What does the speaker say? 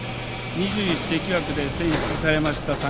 ２１世紀枠で選出されました